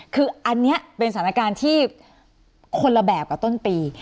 คืออันนี้เป็นสถานการณ์ที่คนละแบบกับต้นปี